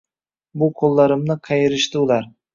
Bu qo‘llarimni qayirishdi ular.